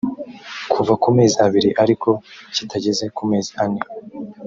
kuva ku mezi abiri ariko kitageze ku mezi ane